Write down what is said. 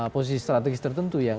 posisi strategis tertentu yang